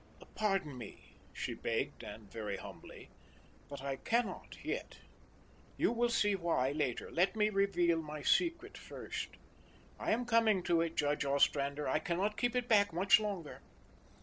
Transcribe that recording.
"Pardon me," she begged and very humbly, "but I cannot yet. You will see why later. Let me reveal my secret first. I am coming to it, Judge Ostrander; I cannot keep it back much longer."